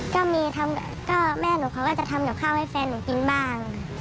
ก็มีทำก็แม่หนูเขาก็จะทำกับข้าวให้แฟนหนูกินบ้าง